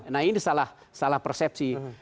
nah ini salah persepsi